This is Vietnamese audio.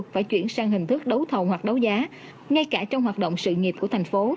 phải chuyển sang hình thức đấu thầu hoặc đấu giá ngay cả trong hoạt động sự nghiệp của thành phố